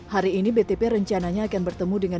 hari ini btp rencananya akan bertemu dengan